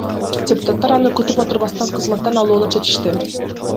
Депутаттар аны күтүп отурбастан кызматтан алууну чечишти.